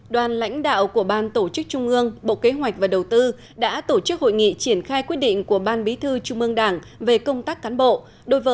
đoàn lãnh đạo của ban tổ chức trung ương bộ kế hoạch và đầu tư đã tổ chức hội nghị triển khai quyết định của ban bí thư trung ương đảng về công tác cán bộ